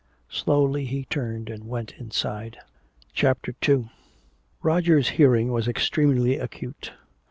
Slowly he turned and went inside. CHAPTER II Roger's hearing was extremely acute.